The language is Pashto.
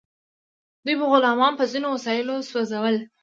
دوی به غلامان په ځینو وسایلو سوځول.